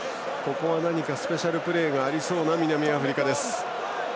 何かスペシャルプレーがありそうな南アフリカ。